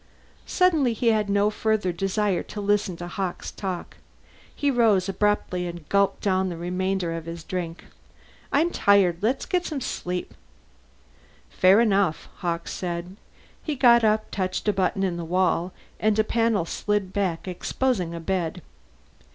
Suddenly he had no further desire to listen to Hawkes talk; he rose abruptly and gulped down the remainder of his drink. "I'm tired. Let's get some sleep." "Fair enough," Hawkes said. He got up, touched a button in the wall, and a panel slid back, exposing a bed.